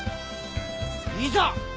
いざ！